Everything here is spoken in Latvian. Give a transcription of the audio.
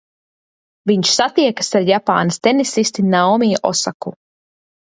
Viņš satiekas ar Japānas tenisisti Naomi Osaku.